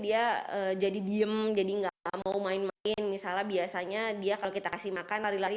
dia jadi diem jadi enggak mau main main misalnya biasanya dia kalau kita kasih makan lari lari